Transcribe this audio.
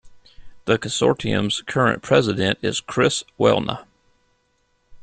The consortium's current president is Chris Welna.